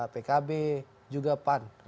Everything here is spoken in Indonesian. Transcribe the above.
pkb juga pan